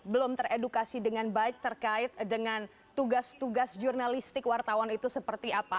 belum teredukasi dengan baik terkait dengan tugas tugas jurnalistik wartawan itu seperti apa